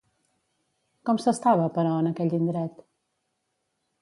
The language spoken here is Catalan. Com s'estava, però, en aquell indret?